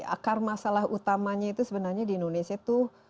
akar masalah utamanya itu sebenarnya di indonesia tuh